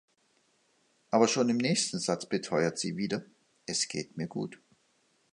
Aber schon im nächsten Satz beteuert sie wieder „Es geht mir gut“.